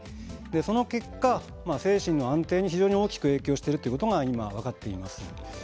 その結果精神の安定に非常に大きく影響しているということが分かってきました。